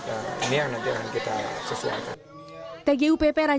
ini yang nanti akan kita sesuaikan